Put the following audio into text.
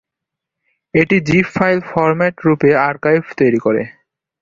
এটি zip file format রূপে archive তৈরী করে।